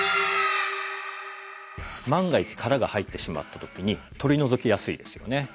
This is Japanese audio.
万が一殻が入ってしまった時に取り除きやすいですよね。